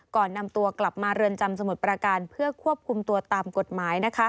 ก่อนนำตัวกลับมาเรือนจำสมุทรประการเพื่อควบคุมตัวตามกฎหมาย